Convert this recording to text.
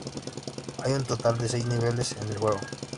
Hay un total de seis niveles en el juego.